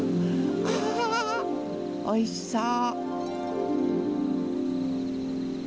あおいしそう！